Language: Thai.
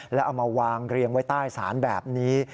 แล้วเอามาวางเรียงไว้ใต้ศาลแบบนี้